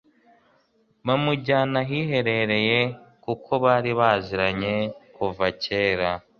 bamujyana ahiherereye kuko bari baziranye kuva kera